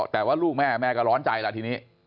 แต่ว่าลูกแม่แม่ก็ร้อนใจแล้วทีนี้